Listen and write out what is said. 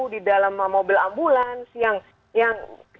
di dalam mobil ambulans yang tidak berbicara